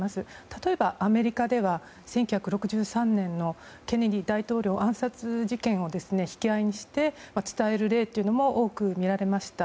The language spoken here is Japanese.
例えば、アメリカでは１９６３年のケネディ大統領暗殺事件を引き合いにして伝える例というのも多く見られました。